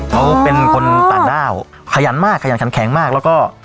เขาเป็นคนต่างด้าวขยันมากขยันขันแข็งมากแล้วก็